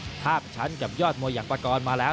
ขึ้นลิฟท์ทาบชั้นกับยอดมวยอย่างประกอลมาแล้ว